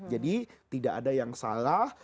tidak ada yang salah